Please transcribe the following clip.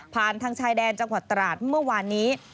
ทางชายแดนจังหวัดตราดเมื่อวานนี้